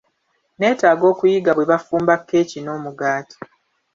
Neetaaga okuyiga bwe bafumba kkeeki n'omugaati.